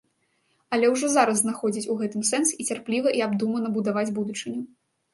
Але ўжо зараз знаходзіць у гэтым сэнс і цярпліва і абдумана будаваць будучыню.